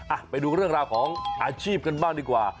ไปดูเรื่องราวของอาชีพกันบ้างดีกว่า